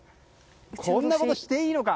こんなことしていいのか？